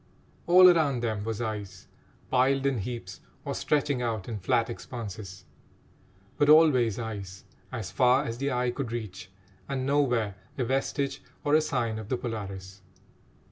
All around them was ice, piled in heaps, or stretching out in flat expanses; but always ice, as far as the eye could reach, and nowhere a vestige or a sign of the Polaris.